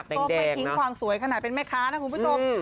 ก็ไม่ทิ้งความสวยขนาดเป็นแม่ค้านะคุณผู้ชม